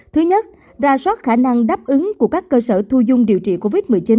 thứ nhất ra soát khả năng đáp ứng của các cơ sở thu dung điều trị covid một mươi chín